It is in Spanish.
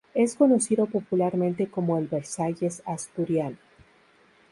Es conocido popularmente como "el Versalles asturiano".